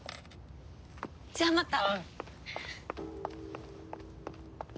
じゃあまた。